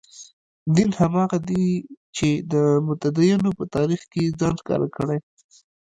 دین هماغه دی چې د متدینو په تاریخ کې یې ځان ښکاره کړی.